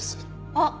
あっ！